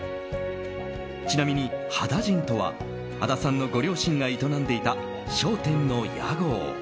ちなみに羽田甚とは羽田さんのご両親が営んでいた商店の屋号。